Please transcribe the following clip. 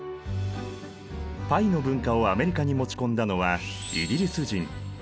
パイの文化をアメリカに持ち込んだのはイギリス人。